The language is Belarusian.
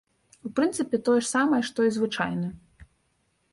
У прынцыпе, тое ж самае, што і звычайны!